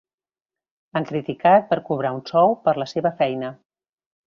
L'han criticat per cobrar un sou per la seva feina.